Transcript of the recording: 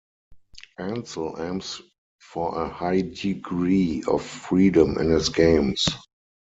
Ancel aims for a high degree of freedom in his games.